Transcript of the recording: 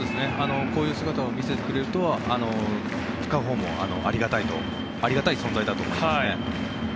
こういう姿を見せてくれると使うほうもありがたい存在だと思います。